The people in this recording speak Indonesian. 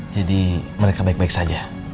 jadi mereka baik baik saja